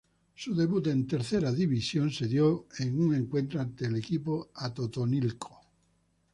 Su debut en Tercera División se dio en un encuentro ante el equipo Atotonilco.